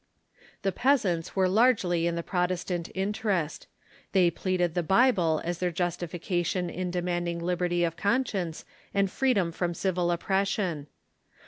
The peasants were largely in the Protestant inter est. They pleaded the Bible as their justification in demand ing liberty of conscience and freedom from civil oppression.